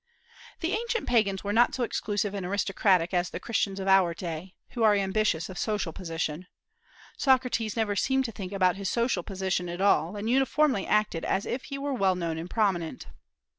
The ancient Pagans were not so exclusive and aristocratic as the Christians of our day, who are ambitious of social position. Socrates never seemed to think about his social position at all, and uniformly acted as if he were well known and prominent.